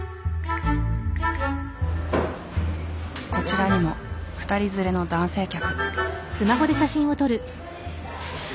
こちらにも２人連れの男性客。